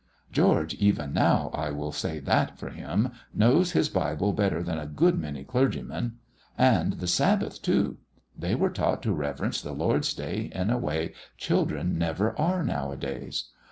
George even now, I will say that for him, knows his Bible better than a good many clergymen. And the Sabbath, too. They were taught to reverence the Lord's day in a way children never are nowadays.